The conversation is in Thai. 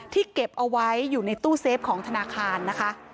เก็บเอาไว้อยู่ในตู้เซฟของธนาคารนะคะ